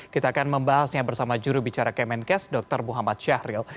kita akan membahasnya bersama juru bicara kemenkes dr muhammad syahril